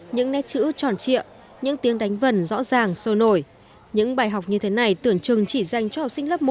những nét chữ tròn trịa những tiếng đánh vần rõ ràng sôi nổi những bài học như thế này tưởng chừng chỉ dành cho học sinh lớp một